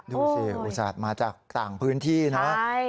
ดูสิอุตสาธิตมาจากต่างพื้นที่นะ